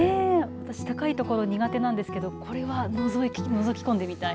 私高いところ苦手なんですけどこれはのぞき込んでみたい。